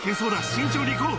慎重に行こう。